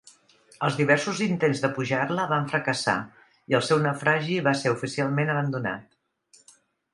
Els diversos intents de pujar-la van fracassar i el seu naufragi va ser oficialment abandonat.